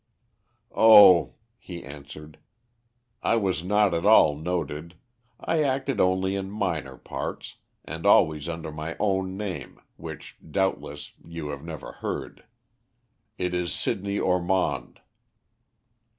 "Oh," he answered, "I was not at all noted. I acted only in minor parts, and always under my own name, which, doubtless, you have never heard it is Sidney Ormond."